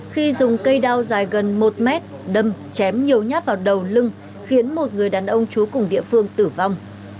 khi dùng cây đao dài gần một mét đâm chém nhiều nhát vào đầu lưng khiến một người đàn ông trú cùng địa phương tử vong